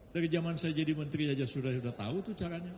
dari zaman saya jadi menteri saja sudah tahu tuh caranya